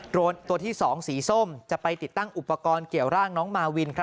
ตัวที่๒สีส้มจะไปติดตั้งอุปกรณ์เกี่ยวร่างน้องมาวิน